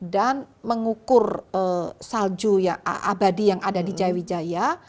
dan mengukur salju ya abadi yang ada di jaya wijaya